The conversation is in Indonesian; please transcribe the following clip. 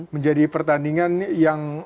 menjadi pertandingan yang